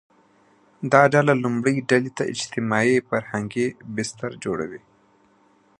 دا ډله لومړۍ ډلې ته اجتماعي – فرهنګي بستر جوړوي